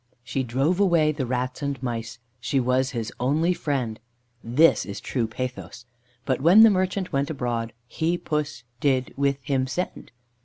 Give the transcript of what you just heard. "She drove away the rats and mice She was his only friend," (This is true pathos.) "But when the Merchant went abroad, He Puss did with him send."